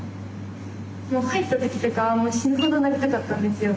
もう入った時とかは死ぬほどなりたかったんですよ。